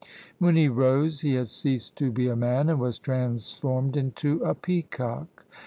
When he rose he had ceased to be a man, and was transformed into a peacock!